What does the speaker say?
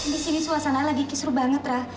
di sini suasana lagi kisru banget ra